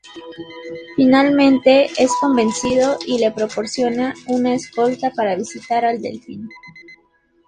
Finalmente, es convencido, y le proporciona una escolta para visitar al Delfín.